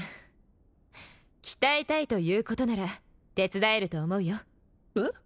鍛えたいということなら手伝えると思うよえっ？